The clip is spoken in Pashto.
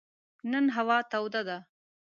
نن هوا توده ده.